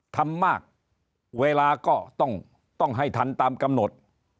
ทำมากเวลาก็ต้องให้ทันตามกำหนด